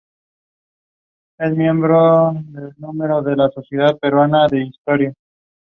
The event was on the Far East Circuit.